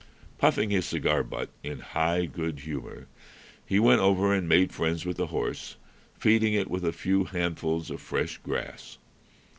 Puffing his cigar butt in high good humor, he went over and made friends with the horse, feeding it with a few handfuls of fresh grass.